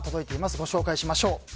ご紹介しましょう。